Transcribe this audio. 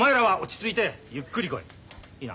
いいな？